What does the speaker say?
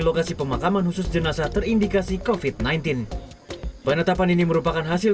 lokasi pemakaman khusus jenazah terindikasi kofit sembilan belas penetapan ini merupakan hasil